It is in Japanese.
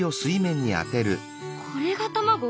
これが卵？